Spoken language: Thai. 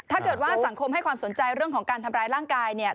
ถ้าเกิดว่าสังคมให้ความสนใจเรื่องของการทำร้ายร่างกายเนี่ย